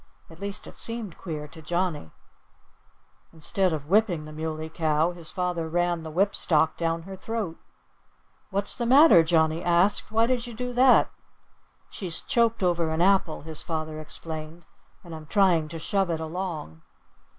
At least it seemed queer to Johnnie. Instead of whipping the Muley Cow, his father ran the whip stock down her throat! "What's the matter?" Johnnie asked. "Why do you do that?" "She's choked over an apple," his father explained, "and I'm trying to shove it along."